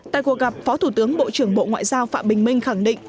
tại cuộc gặp phó thủ tướng bộ trưởng bộ ngoại giao phạm bình minh khẳng định